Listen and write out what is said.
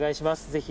ぜひ。